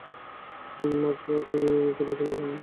তোমরা কী নিয়ে খেলছিলে জানো?